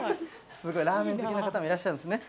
すごい、ラーメン好きな方もいらっしゃるんですね。